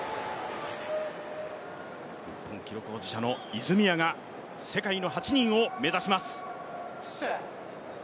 日本記録保持者の泉谷が世界の８人を目指します。